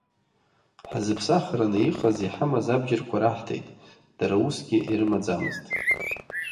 Ҳзыԥсахраны иҟаз иҳамаз абџьарқәа раҳҭеит, дара усгьы ирымаӡамызт.